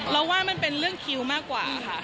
ว่ามันเป็นเรื่องคิวมากกว่าค่ะ